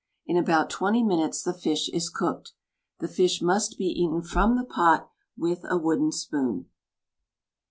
In about twenty minutes the fish is cooked. The fish must be eaten from the pot with a wooden spoon.